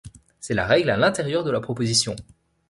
C’est la règle à l’intérieur de la proposition.